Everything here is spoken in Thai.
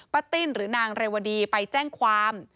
ติ้นหรือนางเรวดีไปแจ้งความ